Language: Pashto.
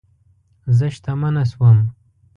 زه شتمنه شوم